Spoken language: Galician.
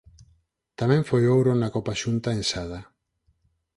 Tamén foi ouro na Copa Xunta en Sada.